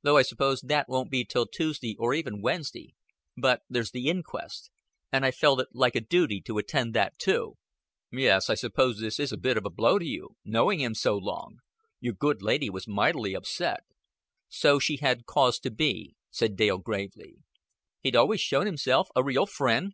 Though I suppose that won't be till Tuesday or even Wednesday. But there's the inquest. And I felt it like a duty to attend that too." "Yes, I suppose this is a bit of a blow to you knowing him so long. Your good lady was mightily upset." "So she had cause to be," said Dale gravely. "He'd always shown himself a real friend?"